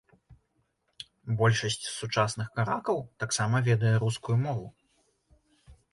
Большасць сучасных каракаў таксама ведае рускую мову.